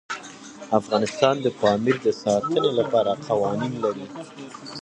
افغانستان د پامیر د ساتنې لپاره قوانین لري.